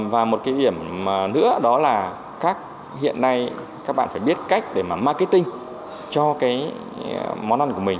và một cái điểm nữa đó là các hiện nay các bạn phải biết cách để mà marketing cho cái món ăn của mình